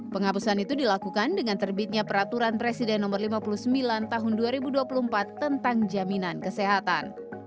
penghapusan itu dilakukan dengan terbitnya peraturan presiden no lima puluh sembilan tahun dua ribu dua puluh empat tentang jaminan kesehatan